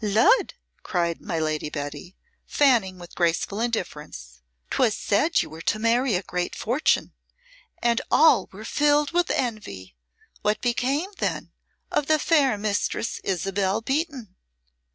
"Lud!" cried my Lady Betty, fanning with graceful indifference. "'Twas said you were to marry a great fortune, and all were filled with envy. What become, then, of the fair Mistress Isabel Beaton?"